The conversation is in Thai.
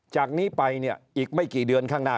จากนี้ไปเนี่ยอีกไม่กี่เดือนข้างหน้า